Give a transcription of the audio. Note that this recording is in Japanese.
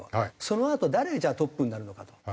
そのあと誰がじゃあトップになるのかと。